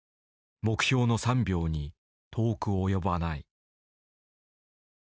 目標の３秒に遠く及ばない。